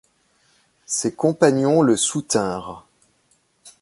Ses compagnons le soutinrent